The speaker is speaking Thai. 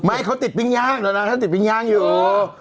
ไม่เขาติดบิงยางนะเขาติดบิงยางอยู่